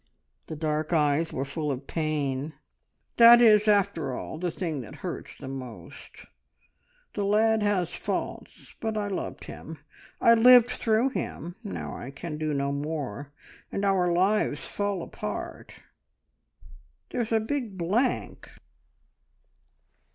The dark eyes were full of pain. "That is, after all, the thing that hurts the most. The lad has faults, but I loved him. I lived through him; now I can do no more, and our lives fall apart. There's a big blank!"